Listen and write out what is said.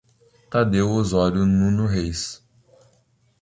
Tadeu Osório Nuno Reis